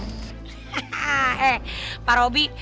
hahaha eh pak robi